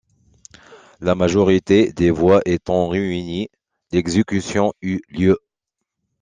La majorité des voix étant réunie, l’exécution eut lieu.